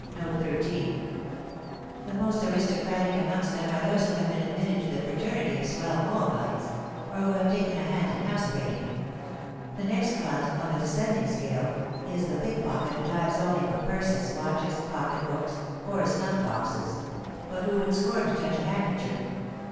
The most aristocratic amongst them are those who have been admitted into the fraternity of swell moabites, or who have taken a hand in housebreaking. The next class, on the descending scale, is the pickpocket who dives only for purses, watches, pocket books, or snuff boxes, but who would scorn to touch a handkerchief.